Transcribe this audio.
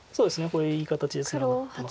これいい形でツナがってます。